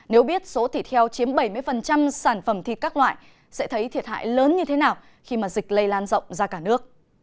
nếu biết số thịt heo chiếm bảy mươi sản phẩm thịt các loại sẽ thấy thiệt hại lớn như thế nào khi mà dịch lây lan rộng ra cả nước